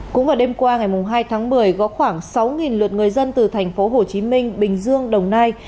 cũng vào đêm qua ngày hai tháng một mươi có khoảng sáu lượt người dân từ thành phố hồ chí minh bình dương đồng nai